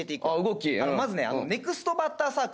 まずねネクストバッターズサークル。